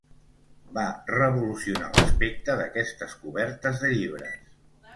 Va revolucionar l'aspecte d'aquestes cobertes de llibres.